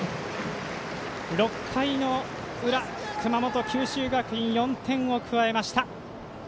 ６回の裏、熊本、九州学院４点を加えました。